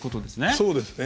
そうですね。